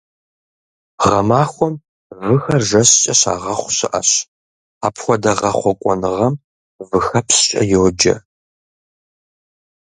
Гъэмахуэм выхэр жэщкӏэ щагъэхъу щыӏэщ, апхуэдэ гъэхъуэкӏуэныгъэм выхэпщкӏэ йоджэ.